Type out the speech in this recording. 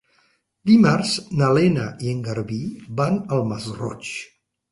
Dimarts na Lena i en Garbí van al Masroig.